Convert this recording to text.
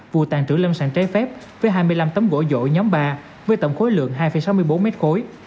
vụ tàn trữ lâm sản trái phép với hai mươi năm tấm gỗ dỗ nhóm ba với tổng khối lượng hai sáu mươi bốn mét khối